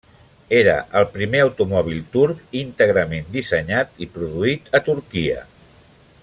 Era el primer automòbil turc íntegrament dissenyat i produït a Turquia.